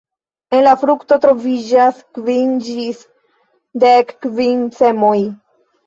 En la frukto troviĝas kvin ĝis dek kvin semoj.